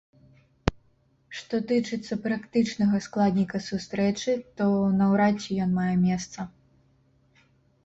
Што тычыцца практычнага складніка сустрэчы, то наўрад ці ён мае месца.